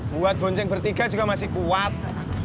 buat bonceng bertiga juga masih kuat